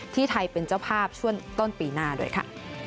ไทยเป็นเจ้าภาพช่วงต้นปีหน้าด้วยค่ะ